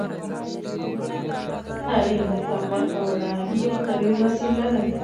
تعلیم د فقر په وړاندې یوه قوي وسله ده.